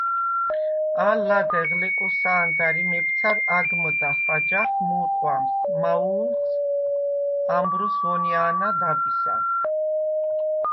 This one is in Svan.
ალ ლადეღ ლეკოსა̄ნდარ ი მებცარ აგმჷდახ აჯახ მუ̄რყვამს მაუ̄ლდს ამბროს ვონია̄ნა დაბისა.